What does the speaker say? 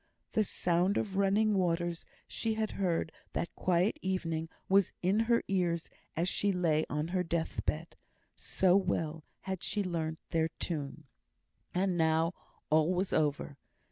The sound of running waters she heard that quiet evening, was in her ears as she lay on her death bed; so well had she learnt their tune. And now all was over.